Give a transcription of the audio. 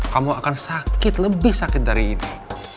kamu akan sakit lebih sakit dari ini